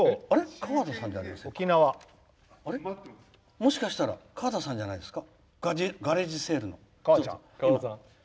もしかしたら川田さんじゃないですか？